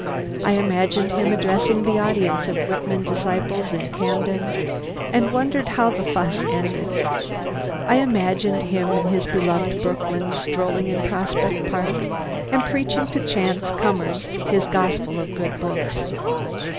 I imagined him addressing the audience of Whitman disciples in Camden, and wondered how the fuss ended. I imagined him in his beloved Brooklyn, strolling in Prospect Park and preaching to chance comers his gospel of good books.